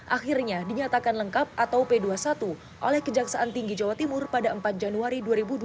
akhirnya dinyatakan lengkap atau p dua puluh satu oleh kejaksaan tinggi jawa timur pada empat januari dua ribu dua puluh